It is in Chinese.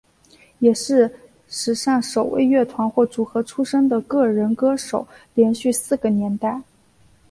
也是史上首位乐团或组合出身的个人歌手连续四个年代。